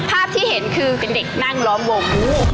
ภาพที่เห็นคือเป็นเด็กนั่งล้อมวง